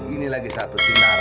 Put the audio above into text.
ini lagi satu sinaran